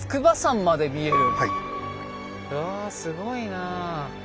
うわすごいな。